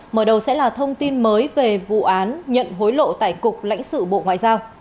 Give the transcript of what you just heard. mở đầu sẽ là thông tin mới về vụ án nhận hối lộ tại cục lãnh sự bộ ngoại giao